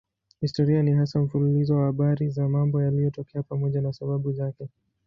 Historia ni hasa mfululizo wa habari za mambo yaliyotokea pamoja na sababu zake.